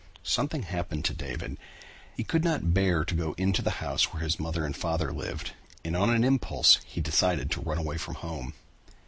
Something happened to David. He could not bear to go into the house where his mother and father lived, and on an impulse he decided to run away from home.